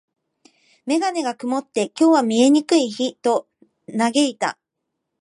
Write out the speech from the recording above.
メガネが曇って、「今日は見えにくい日」と嘆いた。